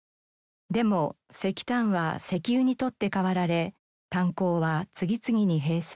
でも石炭は石油に取って代わられ炭鉱は次々に閉鎖。